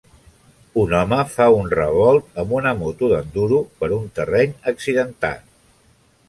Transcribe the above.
Un home fa un revolt amb una moto d'enduro per un terreny accidentat.